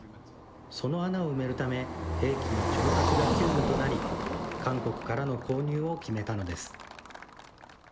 その穴を埋めるため、兵器の調達が急務となり、韓国からの購入を決めたのです。